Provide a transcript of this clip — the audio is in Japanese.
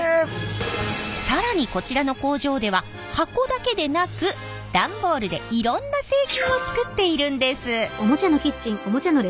更にこちらの工場では箱だけでなく段ボールでいろんな製品を作っているんです。